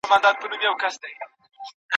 دا د قسمت په حوادثو کي پېیلی وطن